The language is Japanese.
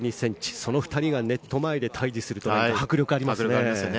その２人がネット前で対峙すると迫力がありますね。